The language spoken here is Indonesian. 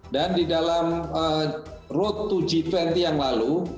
dan di dalam road to g dua puluh yang lalu